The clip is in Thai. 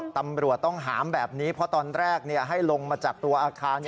ตำรวจต้องหามแบบนี้เพราะตอนแรกให้ลงมาจากตัวอาคาร